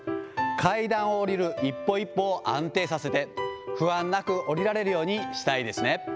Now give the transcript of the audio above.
階段を下りる一歩一歩を安定させて、不安なく下りられるようにしたいですね。